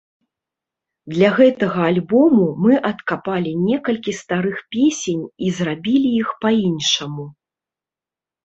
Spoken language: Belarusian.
Для гэтага альбому мы адкапалі некалькі старых песень і зрабілі іх па-іншаму.